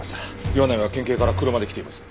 岩内は県警から車で来ています。